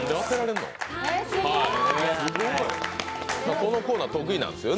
このコーナー得意なんですよね。